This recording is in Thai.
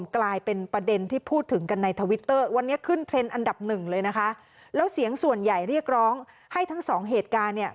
ก็ต้องให้ทั้งสองเหตุการณ์เนี่ย